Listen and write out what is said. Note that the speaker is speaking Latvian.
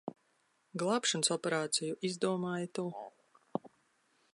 Glābšanas operāciju izdomāji tu.